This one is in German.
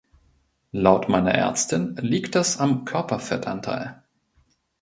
Laut meiner Ärztin liegt das am Körperfettanteil.